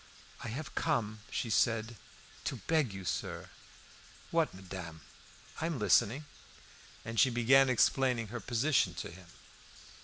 "I have come," she said, "to beg you, sir " "What, madame? I am listening." And she began explaining her position to him.